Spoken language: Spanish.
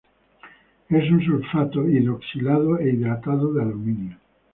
Es un sulfato hidroxilado e hidratado de aluminio.